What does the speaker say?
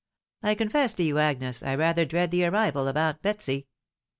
I confess to you, Agues, I rather dread the arrival of aunt Betsy."